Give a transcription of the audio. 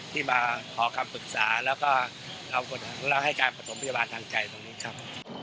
ที่มาขอคำปรึกษาแล้วก็เล่าให้การประถมพยาบาลทางใจตรงนี้ครับ